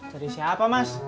cari siapa mas